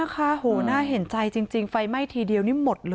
ขนาดเห็นใจจริงไฟไหม้ทีเดียวนี่มดเลย